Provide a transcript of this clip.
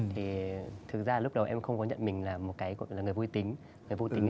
thì thực ra lúc đầu em không có nhận mình là một người vô tính